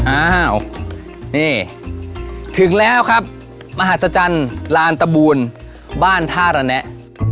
อ้าวนี่ถึงแล้วครับมหัศจรรย์ลานตะบูลบ้านท่าระแนะ